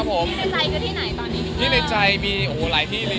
พี่ในใจมีหลายที่เลย